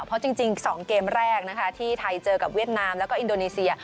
เพราะจริง๒เกมแรกนะคะที่ไทยเจอกับเวียดนามแล้วก็อินโดนีเซีย